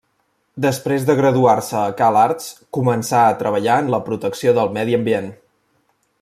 Després de graduar-se a Cal Arts, començà a treballar en la protecció del medi ambient.